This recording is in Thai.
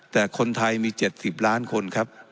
แต่คนไทยมี๗๐ล้านคนครับ